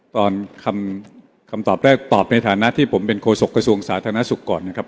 ตอนคำตอบแรกตอบในฐานะที่ผมเป็นโฆษกระทรวงสาธารณสุขก่อนนะครับ